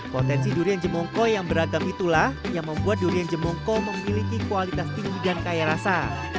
potensi durian jemongko yang beragam itulah yang membuat durian jemongko memiliki kualitas tinggi dan kaya rasa